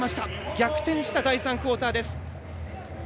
逆転した第３クオーターです。